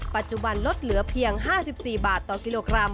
ปัจจุบันลดเหลือเพียง๕๔บาทต่อกิโลกรัม